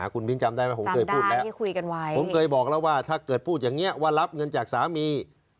คุณบิ๊นจำได้ไหมผมเคยบอกแล้วว่าถ้าเกิดพูดอย่างนี้ว่ารับเงินจากสามี